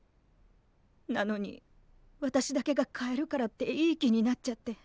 なのに私だけが買えるからっていい気になっちゃって。